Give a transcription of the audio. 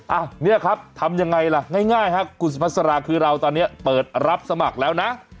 อ่ะเนี่ยครับทำยังไงล่ะง่ายครับคุณสุภาษาราคือเราตอนนี้เปิดรับสมัครแล้วนะ